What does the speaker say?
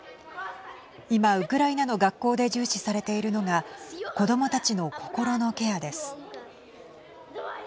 今、ウクライナの学校で重視されているのが子どもたちの心のケアです。